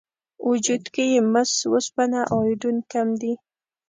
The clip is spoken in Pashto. وجود کې یې مس، وسپنه او ایودین کم دي.